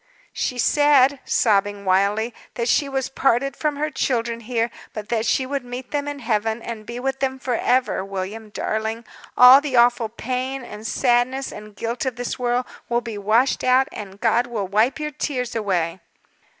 "She said" sobbing wildly "that she was parted from her children here; but she should meet them in Heaven, and be with them forever. William, darling! all the awful pain, and sadness, and guilt of this world will be washed out, and God will wipe your tears away."